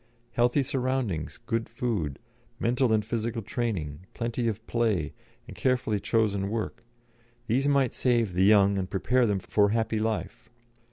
Healthy surroundings, good food, mental and physical training, plenty of play, and carefully chosen work these might save the young and prepare them for happy life.